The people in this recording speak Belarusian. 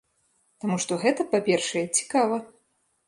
Таму што гэта, па-першае, цікава.